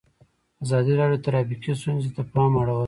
ازادي راډیو د ټرافیکي ستونزې ته پام اړولی.